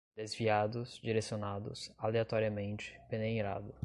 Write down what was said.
desviados, direcionados, aleatoriamente, peneirado